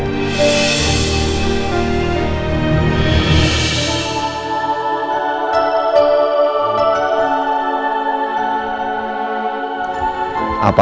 kata siapa kamu tidak pantas